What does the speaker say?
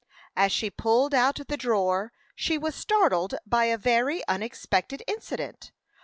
As she pulled out the drawer, she was startled by a very unexpected incident.